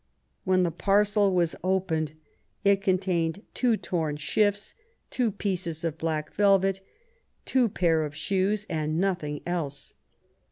When the parcel was opened, it contained two torn shifts, two pieces of black velvet, two pair of shoes, and nothing else